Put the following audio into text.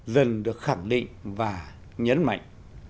dần được khẳng định và nhấn mạnh